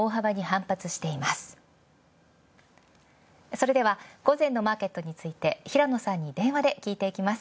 それでは午前のマーケットについて平野さんに電話で聞いていきます。